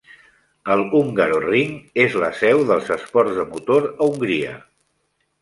El Hungaroring és la seu dels esports de motor a Hongria.